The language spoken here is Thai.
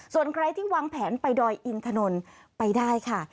ส่วนใครที่วางแผนไปดอยอินถนนไปได้ค่ะ